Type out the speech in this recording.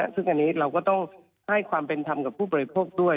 ซึ่งอันนี้เราก็ต้องให้ความเป็นธรรมกับผู้บริโภคด้วย